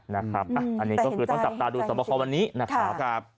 นะครับอันนี้ก็คือต้องจับตาดูสวบคอวันนี้นะครับ